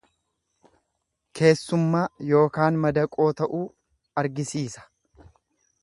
Keessummaa ykn madaqoo ta'uu argisiisa.